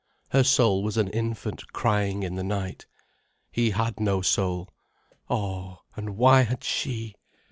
Her soul was an infant crying in the night. He had no soul. Oh, and why had she?